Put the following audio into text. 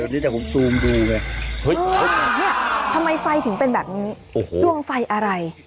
ทำไมไฟถึงเป็นแบบนี้ดวงไฟอะไร